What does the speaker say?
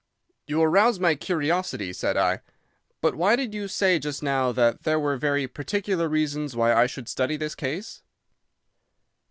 "You arouse my curiosity," said I. "But why did you say just now that there were very particular reasons why I should study this case?"